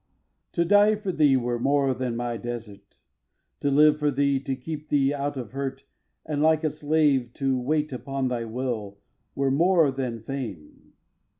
iv. To die for thee were more than my desert; To live for thee to keep thee out of hurt And, like a slave, to wait upon thy will Were more than fame.